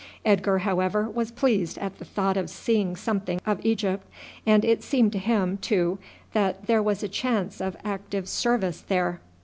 Edgar, however, was pleased at the thought of seeing something of Egypt, and it seemed to him, too, that there was a chance of active service there.